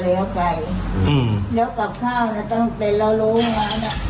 เลี้ยวไก่อืมแล้วกลับข้าวน่ะตั้งแต่เราโรงงานอ่ะ